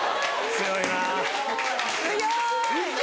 強いな！